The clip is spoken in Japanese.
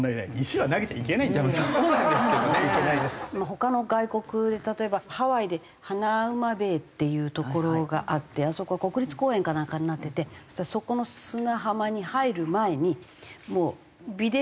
他の外国で例えばハワイでハナウマベイっていう所があってあそこは国立公園かなんかになっててそこの砂浜に入る前にビデオを全部。